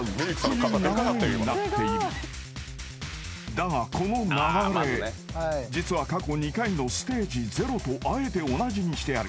［だがこの流れ実は過去２回のステージ０とあえて同じにしてある。